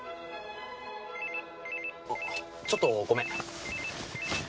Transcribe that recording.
あちょっとごめん。